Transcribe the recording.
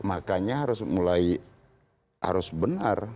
makanya harus mulai harus benar